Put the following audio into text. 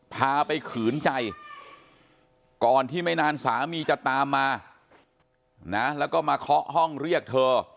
พาไปขืนใจก่อนที่ไม่นานสามีจะตามมานะแล้วก็มาเคาะห้องเรียกเธอ